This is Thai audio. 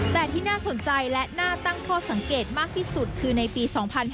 แต่ที่น่าสนใจและน่าตั้งข้อสังเกตมากที่สุดคือในปี๒๕๕๙